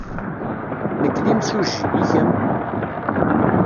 Nekk d imsujji. I kemm?